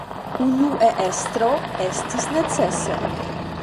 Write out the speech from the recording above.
Unue estro, estis necese.